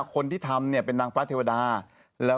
คนที่ทำนางฝาเทวดา